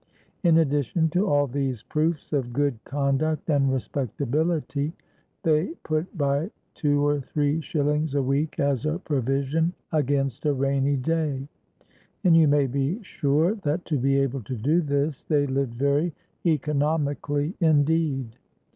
In addition to all these proofs of good conduct and respectability, they put by two or three shillings a week as a provision against a rainy day; and you may be sure that to be able to do this, they lived very economically indeed.